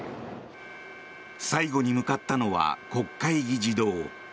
最後に向かったのは国会議事堂。